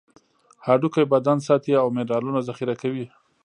هډوکي بدن ساتي او منرالونه ذخیره کوي.